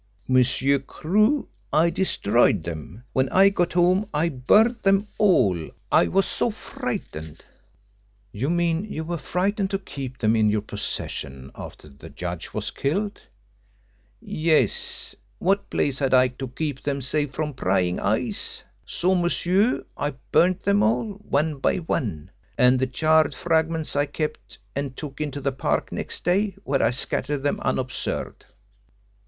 "Monsieur Crewe, I destroyed them. When I got home I burnt them all I was so frightened." "You mean you were frightened to keep them in your possession after the judge was killed?" "Yes. What place had I to keep them safe from prying eyes? So, monsieur, I burnt them all one by one and the charred fragments I kept and took into the Park next day, where I scattered them unobserved."